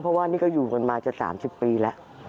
เพราะว่านี่แล้วก็อยู่บนมาจาก๓๐ปีแล้ว